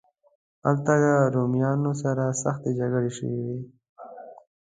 هلته له رومیانو سره سختې جګړې شوې وې.